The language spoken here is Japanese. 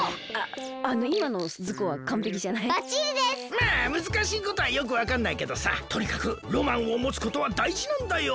まあむずかしいことはよくわかんないけどさとにかくロマンをもつことはだいじなんだよ。